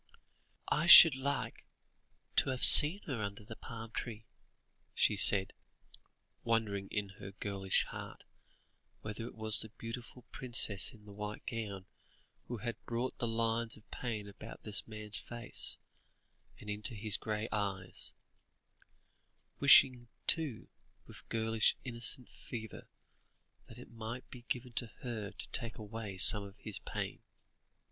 "I should like to have seen her under the palm tree," she said, wondering in her girlish heart, whether it was the beautiful princess in the white gown, who had brought the lines of pain about this man's face, and into his grey eyes; wishing, too, with girlish innocent fervour, that it might be given to her to take away some of his pain.